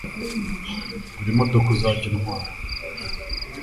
Gura imodoka uzajye untwara